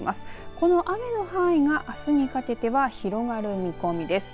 この雨の範囲があすにかけて広がる見込みです。